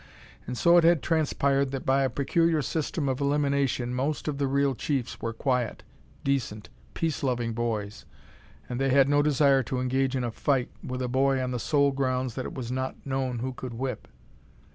And so it had transpired that by a peculiar system of elimination most of the real chiefs were quiet, decent, peace loving boys, and they had no desire to engage in a fight with a boy on the sole grounds that it was not known who could whip.